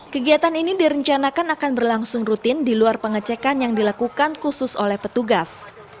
kegiatan ini direncanakan akan berlangsung rutin di luar pengecekan yang dilakukan khusus oleh petugas